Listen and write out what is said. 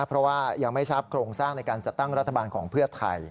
เพราะว่ายังไม่ทราบโครงสร้างในการจัดตั้งรัฐบาลของเพื่อไทย